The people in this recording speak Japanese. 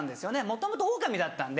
もともとオオカミだったんで。